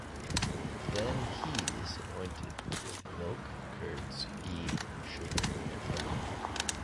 Then He is anointed with milk, curds, ghee, sugar and honey.